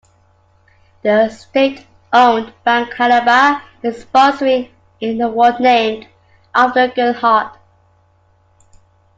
The state-owned bank Helaba is sponsoring an award named after Gernhardt.